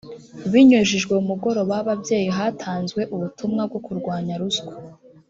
binyujijwe mu mugoroba w ababyeyi hatanzwe ubutumwa bwo kurwanya ruswa